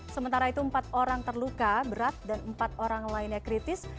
sementara itu empat orang terluka berat dan empat orang lainnya kritis